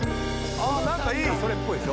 ああ何かいい！それっぽいでしょ？